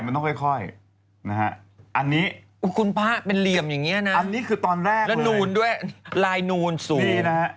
อันนี้อันนี้คือตอนแรกเลยแล้วนูนด้วยลายนูนสูงแล้วนูนด้วยลายนูนสูง